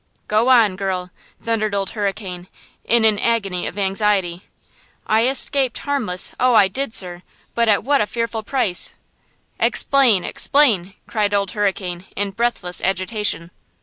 "Go on, girl!" thundered Old Hurricane, in an agony of anxiety. "I escaped harmless–oh, I did, sir–but at what a fearful price!" "Explain! Explain!" cried Old Hurricane, in breathless agitation.